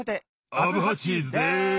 アブハチーズです！